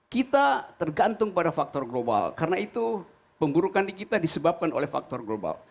kita tergantung pada faktor global karena itu pemburukan di kita disebabkan oleh faktor global